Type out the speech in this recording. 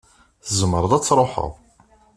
Tzemreḍ ad truḥeḍ.